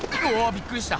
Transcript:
びっくりした。